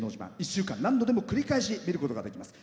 １週間何度でも繰り返し見ることができます。